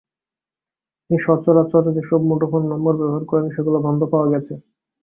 তিনি সচরাচর যেসব মুঠোফোন নম্বর ব্যবহার করেন, সেগুলো বন্ধ পাওয়া গেছে।